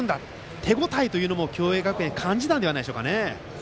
手応えも共栄学園感じたんではないでしょうか。